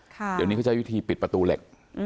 เดี๋ยวนี้เขาใช้วิธีปิดประตูเหล็ก